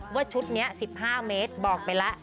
ชุดนี้๑๕เมตรบอกไปแล้ว